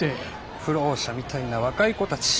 浮浪者みたいな若い子たち。